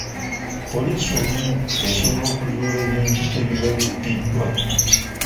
Poliisi olumu esobola okuzuula ebintu ebiba bibbiddwa.